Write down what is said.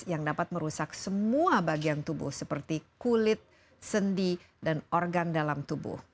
yang dapat merusak semua bagian tubuh seperti kulit sendi dan organ dalam tubuh